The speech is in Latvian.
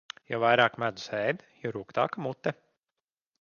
Jo vairāk medus ēd, jo rūgtāka mute.